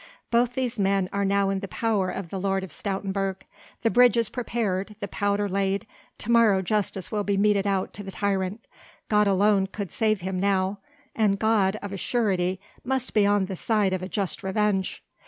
Both these men are now in the power of the Lord of Stoutenburg. The bridge is prepared, the powder laid, to morrow justice will be meted out to the tyrant; God alone could save him now, and God, of a surety, must be on the side of a just revenge.